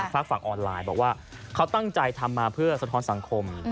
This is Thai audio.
ฝากฝั่งออนไลน์บอกว่าเขาตั้งใจทำมาเพื่อสะท้อนสังคม